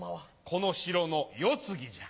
この城の世継ぎじゃ。